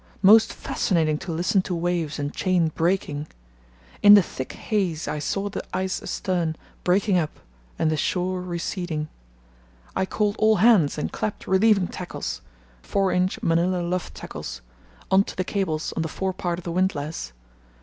Most fascinating to listen to waves and chain breaking. In the thick haze I saw the ice astern breaking up and the shore receding. I called all hands and clapped relieving tackles (4 in. Manila luff tackles) on to the cables on the forepart of the windlass.